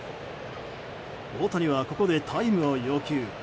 大谷はここでタイムを要求。